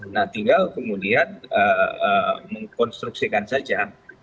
nah tinggal kemudian mengkonstruksikan saja